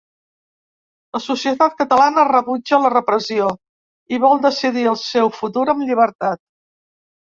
La societat catalana rebutja la repressió i vol decidir el seu futur amb llibertat.